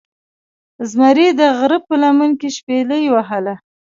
زمرې دغره په لمن کې شپیلۍ وهله